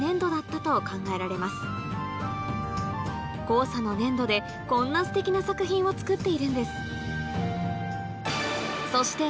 黄砂の粘土でこんなステキな作品を作っているんですそして